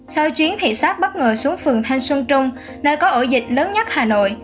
sau chuyến thị xác bất ngờ xuống phường thanh xuân trung nơi có ổ dịch lớn nhất hà nội